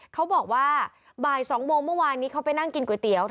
เขาบอกว่าบ่าย๒โมงเมื่อวานนี้เขาไปนั่งกินก๋วยเตี๋ยว